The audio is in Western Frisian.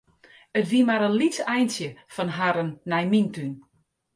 It wie mar in lyts eintsje fan harren nei myn tún.